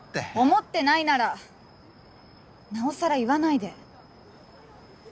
思ってないならなおさら言わないで。